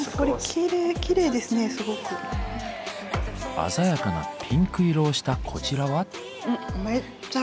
鮮やかなピンク色をしたこちらは？